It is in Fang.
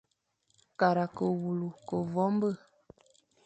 Kara ke wule ke voñbe.